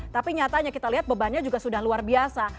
tapi nyatanya kita lihat bebannya juga sudah luar biasa